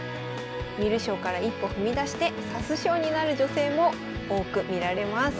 観る将から一歩踏み出して指す将になる女性も多く見られます。